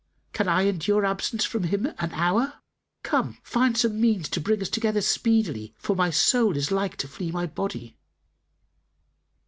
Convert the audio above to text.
"Can I endure absence from him an hour? Come, find some means to bring us together speedily, for my soul is like to flee my body."